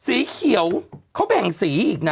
สีเขียวเขาแบ่งสีอีกนะ